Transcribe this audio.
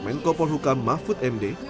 menko polhukam mahfud md